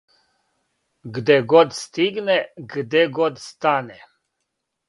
Где год стигне, где год стане